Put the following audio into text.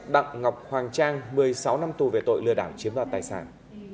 đặng ngọc hoàng trang một mươi sáu năm tù về tội lừa đảo chiếm đoạt tài sản